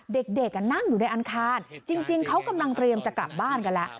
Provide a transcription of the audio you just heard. เด็กนั่งอยู่ในอังคารจริงเขากำลังเตรียมจะกลับบ้านกันแล้ว